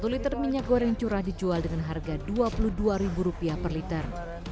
satu liter minyak goreng curah dijual dengan harga rp dua puluh dua per liter